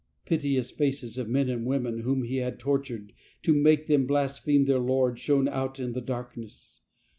Piteous faces of men and women whom he had tortured to make them blas pheme their Lord shone out in the darkness.